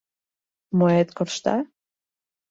— Моэт коршта?